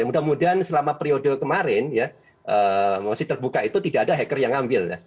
mudah mudahan selama periode kemarin ya mosi terbuka itu tidak ada hacker yang ngambil ya